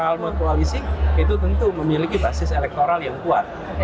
almar koalisi itu tentu memiliki basis elektoral yang kuat